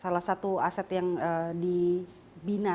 salah satu aset yang dibina